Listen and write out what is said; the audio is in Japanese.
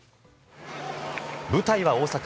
舞台は大阪。